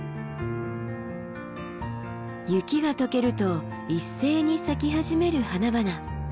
雪が解けると一斉に咲き始める花々。